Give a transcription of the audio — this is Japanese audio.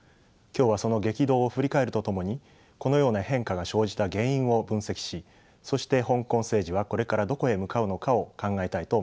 今日はその激動を振り返るとともにこのような変化が生じた原因を分析しそして香港政治はこれからどこへ向かうのかを考えたいと思います。